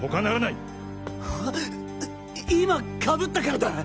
い今かぶったからだ！